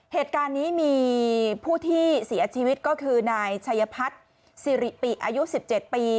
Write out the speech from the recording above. เหตุการณ์นี้มีผู้ที่เสียชีวิตก็คือนายชัยพัฒน์สิริปิอายุ๑๗ปี